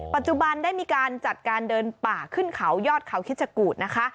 ปัจจุบันได้มีการจัดการเดินป่าขึ้นเขายอดเขาคิดชะกูดนะคะ